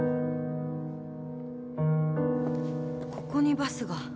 ここにバスが？